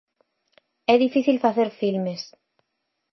É difícil facer filmes.